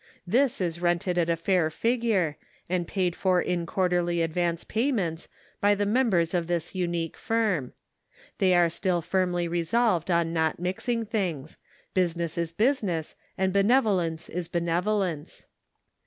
This is rented at a fair figure, and paid for in quarterly advance payments by the members of this unique firm. They are still firmly resolved on not mixing things. Business is business, and benevolence is benevolence.